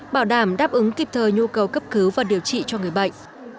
bảo đảm đáp ứng kịp thời nhu cầu cấp cứu và điều trị cho người bệnh